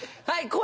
はい。